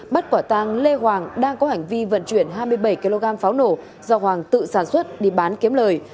bắt quả tang lê hoàng đang có hành vi vận chuyển hai mươi bảy kg pháo nổ do hoàng tự sản xuất đi bán kiếm lời